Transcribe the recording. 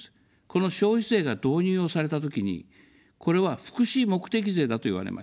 この消費税が導入をされたときに、これは福祉目的税だと言われました。